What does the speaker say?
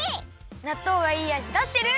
なっとうがいいあじだしてる！